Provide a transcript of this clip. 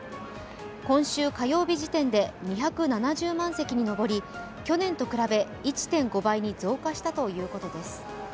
今週火曜日時点で２７０万席に上り去年と比べ１．５倍に増加したということです。